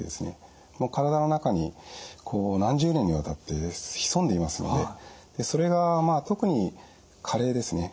体の中に何十年にわたって潜んでいますのでそれが特に加齢ですね